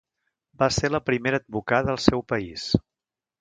Va ser la primera advocada al seu país.